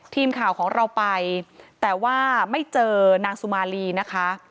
ทีมข่าวของเราไปแต่ว่าไม่เจอนางสุมาลีนะคะ